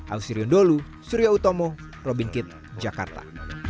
ausirion dholu surya utomo robin kitt jakarta